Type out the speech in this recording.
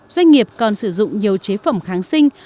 doanh nghiệp còn sử dụng nhiều chế phẩm kháng sinh